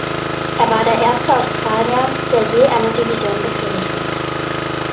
Er war der erste Australier, der je eine Division befehligte.